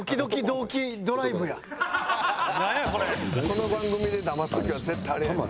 「この番組でだます時は絶対あれやねん」